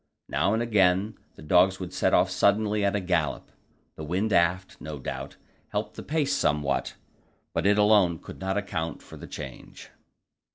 Now and again the dogs would set off suddenly at a gallop. The wind aft, no doubt, helped the pace somewhat, but it alone could not account for the change.